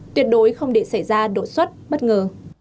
tuyệt đối không để xảy ra đột xuất bất ngờ